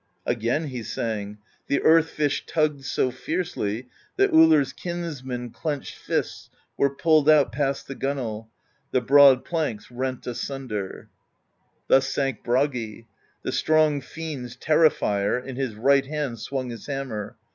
Again he sang: The earth fish tugged so fiercely That Ullr's Kinsman's clenched fists Were pulled out past the gunwale; The broad planks rent asunder. Thus sang Bragi: The strong fiend's Terrifier In his right hand swung his hammer.